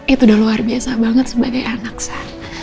itu udah luar biasa banget sebagai anak saya